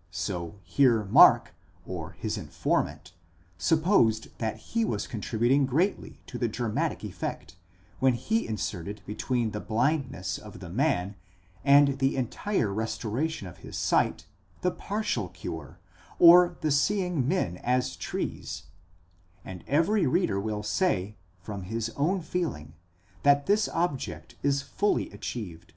1® So here Mark, or his informant, supposed that he was contributing greatly to the dramatic effect, when he in serted between the blindness of the man and the entire restoration of his sight, the partial cure, or the seeing men as trees, and every reader will say, from his own feeling, that this object is tully achieved.